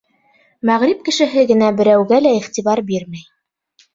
Мәғриб кешеһе генә берәүгә лә иғтибар бирмәй.